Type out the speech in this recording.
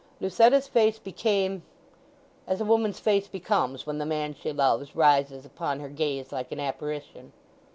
Lucetta's face became—as a woman's face becomes when the man she loves rises upon her gaze like an apparition.